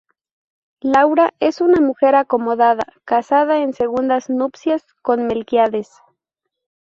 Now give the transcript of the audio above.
Laura es una mujer acomodada casada en segundas nupcias con Melquiades.